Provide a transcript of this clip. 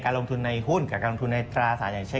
ลงทุนในหุ้นกับการลงทุนในตราสารอย่างเช่น